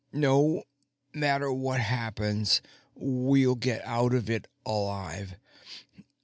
No matter what happens, we'll get out of it alive.